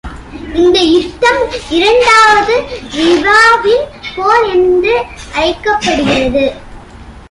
இந்த யுத்தம் இரண்டாவது ரிவாவின் போர் என்று அழைக்கப்படுகிறது.